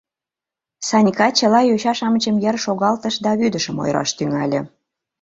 Санька чыла йоча-шамычым йыр шогалтыш да вӱдышым ойыраш тӱҥале.